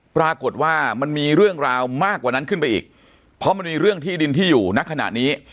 ปรากฏว่ามันมีเรื่องราวมากกว่านั้นขึ้นไปอีกเพราะมันมีเรื่องที่ดินที่อยู่ในขณะนี้